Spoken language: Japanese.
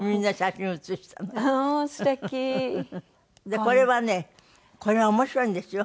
でこれはねこれ面白いんですよ。